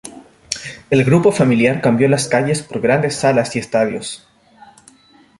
El grupo familiar cambió las calles por grandes salas y estadios.